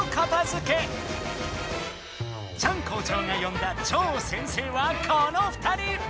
チャン校長がよんだ超先生はこの２人！